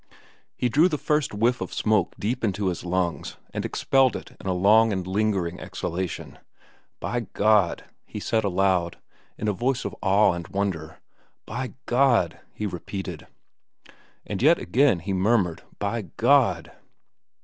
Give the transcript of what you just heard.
He drew the first whiff of smoke deep into his lungs and expelled it in a long and lingering exhalation. "By God!" he said aloud, in a voice of awe and wonder. "By God!" he repeated. And yet again he murmured, "By God!"